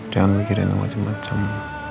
jangan mikirin macam macam